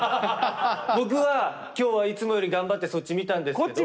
僕は今日はいつもより頑張ってそっち見たんですけど。